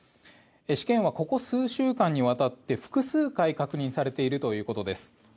試験はここ数週間にわたって複数回確認されているということです。